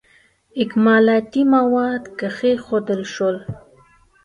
اکمالاتي مواد کښېښودل شول.